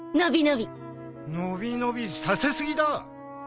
伸び伸びさせすぎだ！